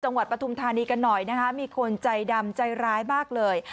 ปฐุมธานีกันหน่อยนะคะมีคนใจดำใจร้ายมากเลย